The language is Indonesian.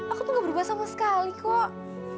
aku tuh gak berbahasa sama sekali kok